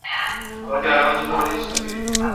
আমাকে রাগানোর জন্য পাঠিয়েছো তাকে?